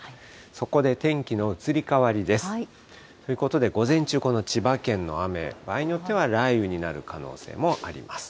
そこで天気の移り変わりです。ということで午前中、この千葉県の雨、場合によっては雷雨になる可能性もあります。